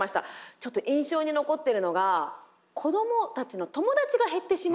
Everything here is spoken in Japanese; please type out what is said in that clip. ちょっと印象に残っているのが子どもたちの友達が減ってしまったというね